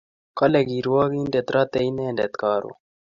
Kile kirwakindet rate inendet karun